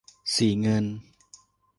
สีเงิน